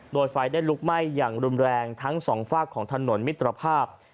โดยไฟได้ลุกไหม้อย่างรุนแรงทั้งสองฝากของถนนมิตรภาพ